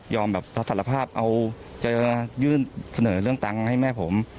แบบรับสารภาพเอาจะยื่นเสนอเรื่องตังค์ให้แม่ผม